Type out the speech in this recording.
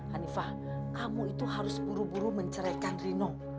hanifah kamu itu harus buru buru menceraikan rino